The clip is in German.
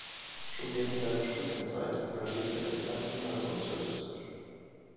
Schon während seiner Studienzeit engagierte er sich nationalsozialistisch.